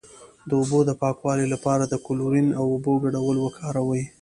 د اوبو د پاکوالي لپاره د کلورین او اوبو ګډول وکاروئ